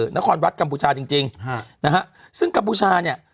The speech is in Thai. นครวัดกัมพูชาจริงซึ่งกัมพูชาเนี่ย